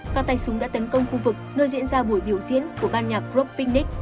các tay súng đã tấn công khu vực nơi diễn ra buổi biểu diễn của ban nhạc group picnic